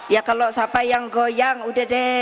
ya kalau siapa yang goyang udah deh